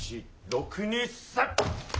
６２３。